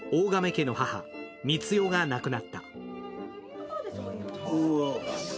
家の母・満代が亡くなった。